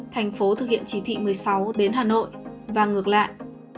thành phố thực hiện chỉ thị một mươi sáu đến hà nội và ngược lại